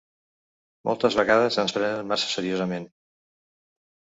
Moltes vegades ens prenen massa seriosament.